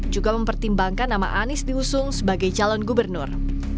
juga mempertimbangkan nama anies diusung sebagai calon gubernur